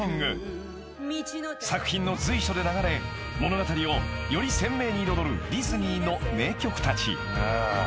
［作品の随所で流れ物語をより鮮明に彩るディズニーの名曲たち］